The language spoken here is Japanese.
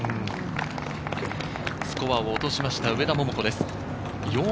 スコアを落としました、上田桃子です。